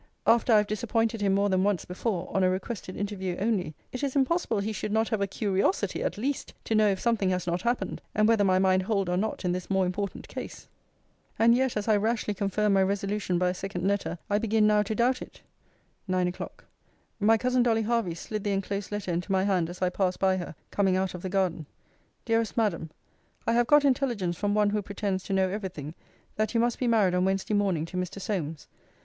After I have disappointed him more than once before, on a requested interview only, it is impossible he should not have a curiosity at least, to know if something has not happened; and whether my mind hold or not in this more important case. And yet, as I rashly confirmed my resolution by a second letter, I begin now to doubt it. NINE O'CLOCK. My cousin Dolly Hervey slid the enclosed letter into my hand, as I passed by her, coming out of the garden. DEAREST MADAM, I have got intelligence from one who pretends to know every thing, that you must be married on Wednesday morning to Mr. Solmes.